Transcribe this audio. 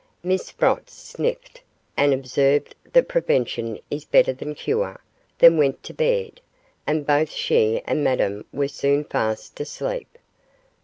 Miss Sprotts sniffed, and observed that 'Prevention is better than cure,' then went to bed, and both she and Madame were soon fast asleep.